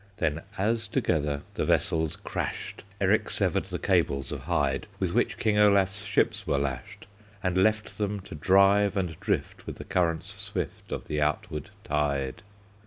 Then as together the vessels crashed, Eric severed the cables of hide, With which King Olaf's ships were lashed, And left them to drive and drift With the currents swift Of the outward tide.